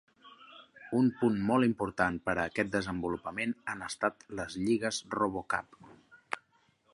Un punt molt important per a aquest desenvolupament han estat les lligues Robocup.